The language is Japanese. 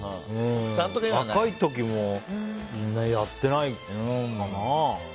若い時も、みんなやってないかな。